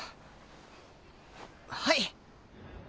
はい！